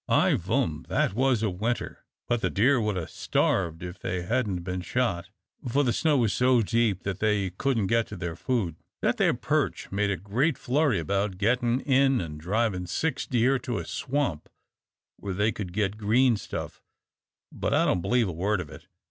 "I vum that was a winter, but the deer would 'a' starved if they hadn't been shot, for the snow was so deep that they couldn't get to their food. That there Perch made a great flurry about gettin' in an' drivin' six deer to a swamp where they could git green stuff, but I don't believe a word of it.